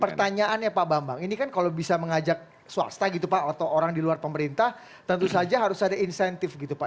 pertanyaannya pak bambang ini kan kalau bisa mengajak swasta gitu pak atau orang di luar pemerintah tentu saja harus ada insentif gitu pak